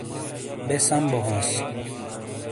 بے سم بو ہانس